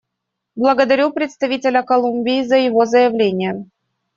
Благодарю представителя Колумбии за его заявление.